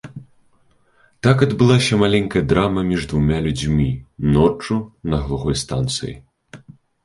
Так адбылася маленькая драма між двума людзьмі, ноччу на глухой станцыі.